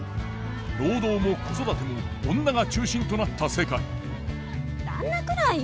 労働も子育ても女が中心となった世界旦那くらいよ。